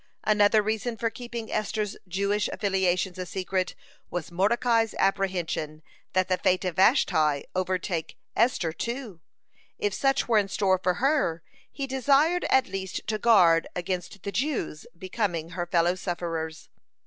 Another reason for keeping Esther's Jewish affiliations a secret was Mordecai's apprehension, that the fate of Vashti overtake Esther, too. If such were in store for her, he desired at least to guard against the Jews' becoming her fellowsuffers.